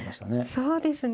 そうですね。